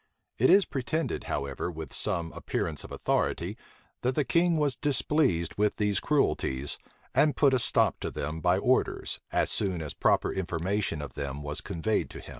It is pretended, however, with some appearance of authority, that the king was displeased with these cruelties, and put a stop to them by orders, as soon as proper information of them was conveyed to him.